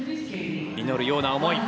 祈るような思い。